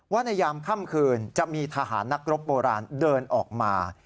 ในยามค่ำคืนจะมีทหารนักรบโบราณเดินออกมา